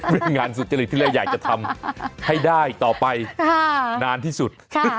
เป็นงานสุจริตที่เราอยากจะทำให้ได้ต่อไปนานที่สุด